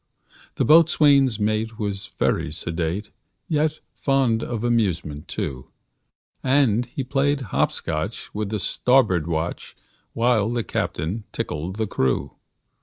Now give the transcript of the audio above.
The boatswain's mate was very sedate, Yet fond of amusement, too; And he played hop scotch with the starboard watch, While the captain tickled the crew.